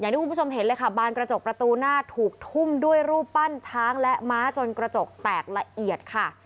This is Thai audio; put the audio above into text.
ที่คุณผู้ชมเห็นเลยค่ะบานกระจกประตูหน้าถูกทุ่มด้วยรูปปั้นช้างและม้าจนกระจกแตกละเอียดค่ะ